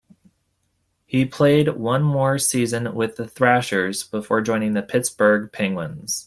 He played one more season with the Thrashers before joining the Pittsburgh Penguins.